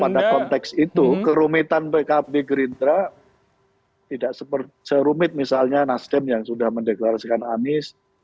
pada konteks itu kerumitan pkb gerindra tidak serumit misalnya nasdem yang sudah mendeklarasikan anies